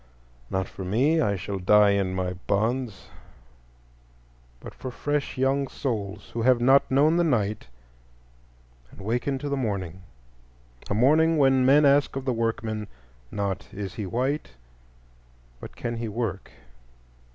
Not for me,—I shall die in my bonds,—but for fresh young souls who have not known the night and waken to the morning; a morning when men ask of the workman, not "Is he white?" but "Can he work?"